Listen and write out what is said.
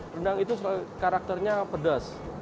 rendang itu karakternya pedas